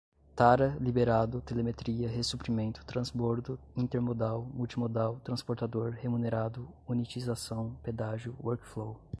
tara liberado telemetria ressuprimento transbordo intermodal multimodal transportador remunerado unitização pedágio workflow